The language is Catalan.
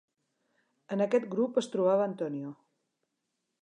En aquest grup es trobava Antonio.